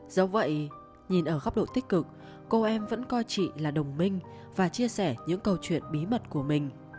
dẫu vậy nhìn ở góc độ tích cực cô em vẫn coi chị là đồng minh và chia sẻ những câu chuyện bí mật của mình